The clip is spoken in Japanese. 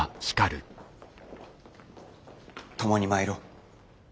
共に参ろう。